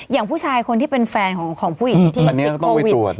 อย่างผู้ชายคนที่เป็นแฟนของผู้หญิงที่ติดโควิด